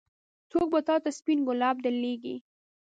څوک به تا ته سپين ګلاب درلېږي.